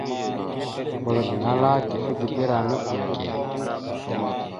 Wal gaŋa ala : tifekeberánaɗ neke.